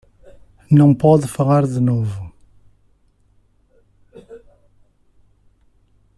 Não pode falar de novo